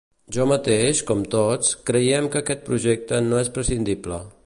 Jo mateix, com tots, creiem que aquest projecte no és prescindible.